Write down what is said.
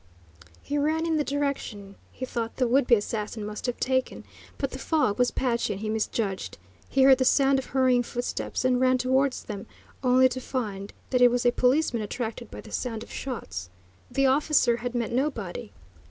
He ran in the direction he thought the would be assassin must have taken, but the fog was patchy and he misjudged. He heard the sound of hurrying footsteps and ran towards them, only to find that it was a policeman attracted by the sound of shots. The officer had met nobody.